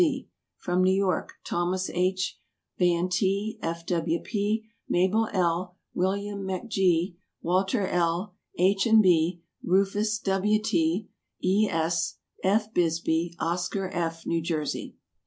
F. C. From New York Thomas H. Van T., F. W. P., Mabel L., William MacG., Walter L., H. and B., Rufus W. T., E. S., F. Bisbee. Oscar F., New Jersey.